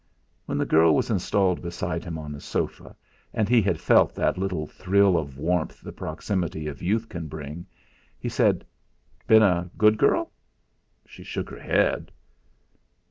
When the girl was installed beside him on the sofa, and he had felt that little thrill of warmth the proximity of youth can bring, he said: "Been a good girl?" She shook her head.